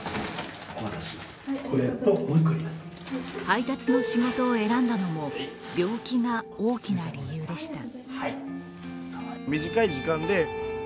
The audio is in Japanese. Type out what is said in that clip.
配達の仕事を選んだのも病気が大きな理由でした。